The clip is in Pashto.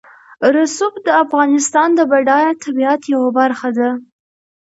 رسوب د افغانستان د بډایه طبیعت یوه برخه ده.